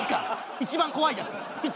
一番怖いやつ。